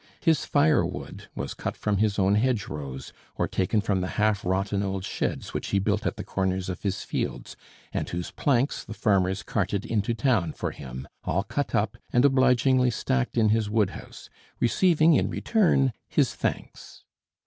His fire wood was cut from his own hedgerows or taken from the half rotten old sheds which he built at the corners of his fields, and whose planks the farmers carted into town for him, all cut up, and obligingly stacked in his wood house, receiving in return his thanks.